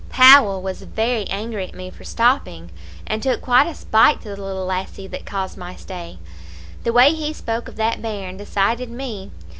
"Powell was very angry at me for stopping, and took quite a spite to the little lassie that caused my stay. The way he spoke of that bairn decided me.